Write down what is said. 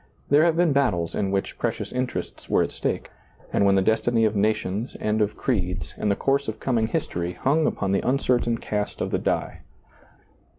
There have been battles in which pre cious interests were at stake, and when the destiny of nations and of creeds, and the course of coming history, hung upon the uncertain cast of the die.